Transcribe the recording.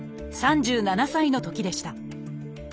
３７歳のときでした